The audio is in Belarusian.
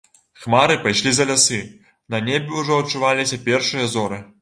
Хмары пайшлі за лясы, на небе ўжо адчуваліся першыя зоры.